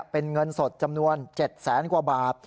เป็นเงินสดจำนวน๗แสนกว่าบาท